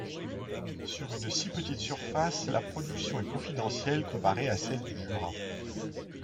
Sur une si petite surface la production est confidentielle comparée à celle du Jura.